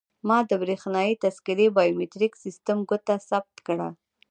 ما د بریښنایي تذکیرې بایومتریک سیستم ګوته ثبت کړه.